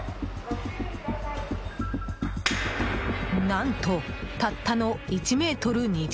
何と、たったの１ｍ２０ｃｍ。